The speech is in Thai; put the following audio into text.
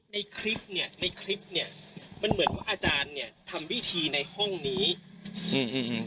ในคลิปเนี้ยในคลิปเนี้ยมันเหมือนว่าอาจารย์เนี้ยทำวิธีในห้องนี้อืม